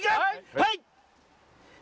はい！